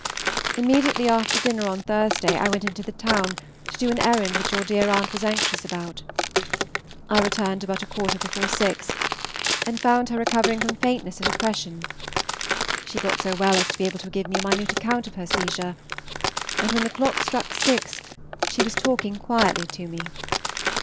Immediately after dinner on Thursday I went into the town to do an errand which your dear aunt was anxious about. I returned about a quarter before six, and found her recovering from faintness and oppression; she got so well as to be able to give me a minute account of her seizure, and when the clock struck six she was talking quietly to me.